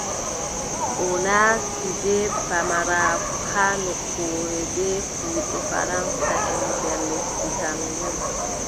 O nasti bee pamaraaku haa nokkure bee kuuɗe faraŋsaʼen nder lesdi Kamerun,